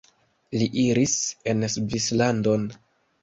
Li iris en Svislandon.